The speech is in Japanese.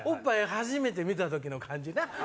初めて見た時の感じな